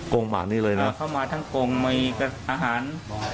กรงหมานี่เลยนะครับอ่าเข้ามาทั้งกรงมีอาหาร